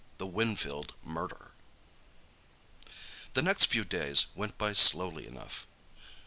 THE WINFIELD MURDER The next few days went by slowly enough.